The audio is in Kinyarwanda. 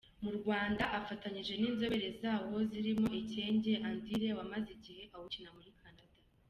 Mu Rwanda afatanije n’inzobere zawo zirimo Ekenge Andire, wamaze igihe awukina muri Canada.